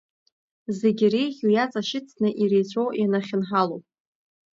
Зегь иреиӷьу иаҵашьыцны иреицәоу ианахьынҳалоу.